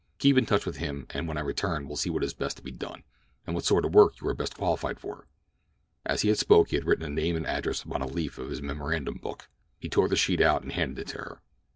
Keep in touch with him and when I return we'll see what is best to be done, and what sort of work you are best qualified for." As he spoke he had written a name and address upon a leaf of his memorandum book. He tore the sheet out and handed it to her.